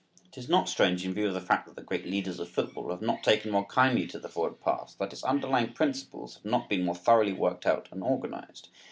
It is not strange, in view of the fact that the great leaders of football have not taken more kindly to the forward pass, that its underlying principles have not been more thoroughly worked out and organized.